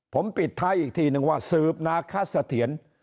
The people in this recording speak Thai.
ผมปิดท้ายอีกทีนึงว่าสืบนาคสะเทียน